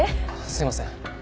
すいません。